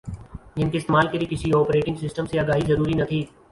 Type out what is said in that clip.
جن کے استعمال کے لئے کسی اوپریٹنگ سسٹم سے آگاہی ضروری نہ تھی